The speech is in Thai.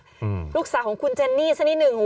อืมลูกสาวของคุณเจนนี่สักนิดหนึ่ง